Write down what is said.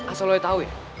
asal lo yang tau ya